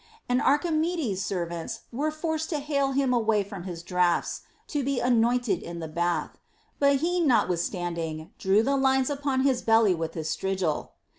And Archimedes's servants were forced to hale him away from his draughts, to be anointed in the bath ; but he notwithstanding drew the lines upon his belly with his strigil.